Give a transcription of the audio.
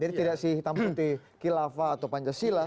jadi tidak si hitam putih kilafah atau pancasila